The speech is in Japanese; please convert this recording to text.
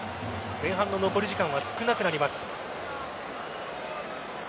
前半の残り時間は少なくなります。